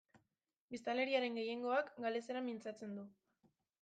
Biztanleriaren gehiengoak galesera mintzatzen du.